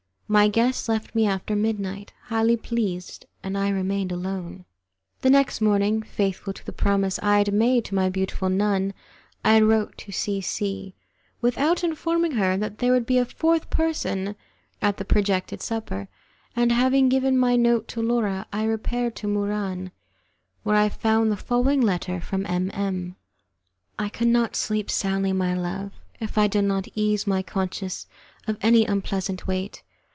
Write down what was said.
My guests left me after midnight, highly pleased, and I remained alone. The next morning, faithful to the promise I had made to my beautiful nun, I wrote to C C without informing her that there would be a fourth person at the projected supper, and having given my note to Laura I repaired to Muran, where I found the following letter from M M : "I could not sleep soundly, my love, if I did not ease my conscience of an unpleasant weight.